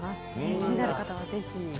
気になる方はぜひ。